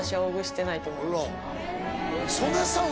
曽根さん